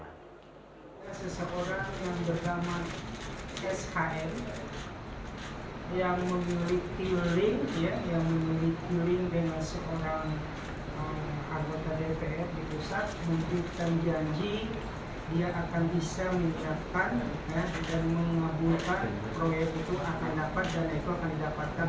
anggota dpr di pusat membutuhkan janji dia akan bisa menyiapkan dan membuat proyek itu akan dapat dan itu akan didapatkan untuk sumatera barat